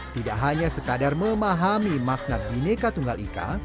tidak hanya sekadar memahami makna bineka tunggal ika